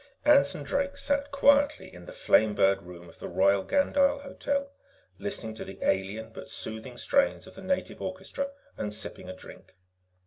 _ Anson Drake sat quietly in the Flamebird Room of the Royal Gandyll Hotel, listening to the alien, but soothing strains of the native orchestra and sipping a drink.